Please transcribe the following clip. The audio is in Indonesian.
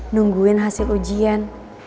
nungguin hasil ujian